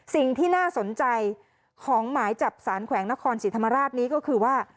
สิ่งที่น่าสนใจของหมายจับสารแขวงนครศรีธรรมราชนี้ก็คือว่า